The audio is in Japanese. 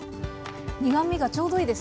苦みがちょうどいいです。